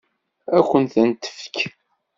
Ad kent-tent-tefk?